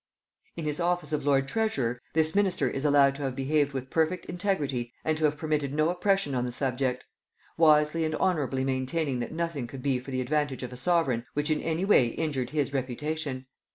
] In his office of lord treasurer, this minister is allowed to have behaved with perfect integrity and to have permitted no oppression on the subject; wisely and honorably maintaining that nothing could be for the advantage of a sovereign which in any way injured his reputation.